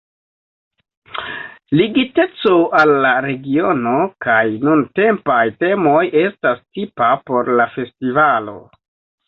Ligiteco al la regiono kaj nuntempaj temoj estas tipa por la festivalo.